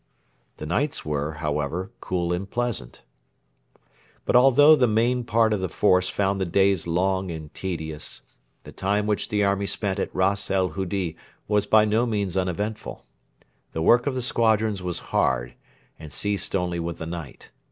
The nights were, however, cool and pleasant. But although the main part of the force found the days long and tedious, the time which the army spent at Ras el Hudi was by no means uneventful. The work of the squadrons was hard, and ceased only with the night.